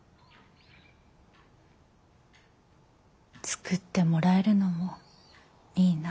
作ってもらえるのもいいな。